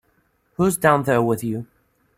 Who's down there with you?